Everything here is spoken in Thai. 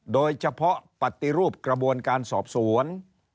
โดยเฉพาะปฏิรูปกระบวนการสอบสวน